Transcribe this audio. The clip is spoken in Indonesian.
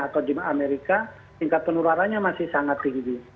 atau di amerika tingkat penularannya masih sangat tinggi